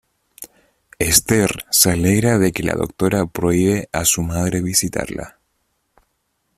Esther se alegra de que la doctora prohíbe a su madre visitarla.